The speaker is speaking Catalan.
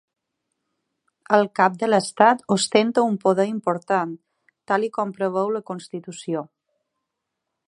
El cap de l'estat ostenta un poder important tal i com preveu la constitució.